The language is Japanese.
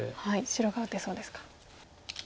白が打てそうですか。